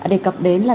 đề cập đến là